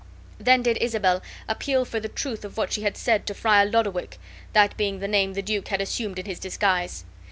Then did Isabel appeal for the truth of what she had said to Friar Lodowick, that being the name the duke had assumed in his disguise.